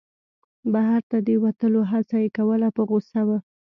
بهر ته د وتلو هڅه یې کوله په غوسه و.